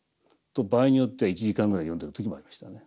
場合によっては１時間ぐらい読んでる時もありましたね。